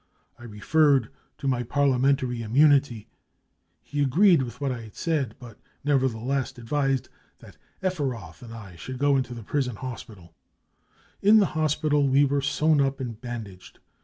I referred to my parlia mentary immunity ; he agreed with what I said, but nevertheless advised that Efferoth and I should go into prison hospital.* " In the hospital we were sewn up and bandaged.